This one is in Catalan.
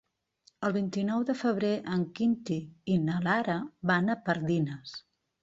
El vint-i-nou de febrer en Quintí i na Lara van a Pardines.